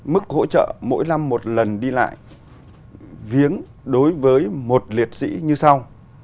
mức hỗ trợ mỗi năm một lần đi lại viếng đối với một liệt sĩ như sau